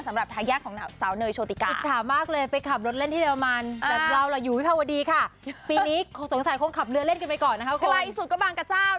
สำหรับท้ายที่ยากของสาวเนยโชติกา